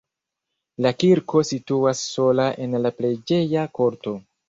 La kirko situas sola en la preĝeja korto.